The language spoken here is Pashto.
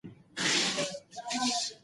ريښتينی انسان وېره نه لري